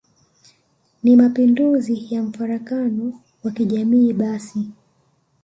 ni Mapinduzi ya mfarakano wa kijamii basi